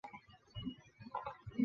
高翥人。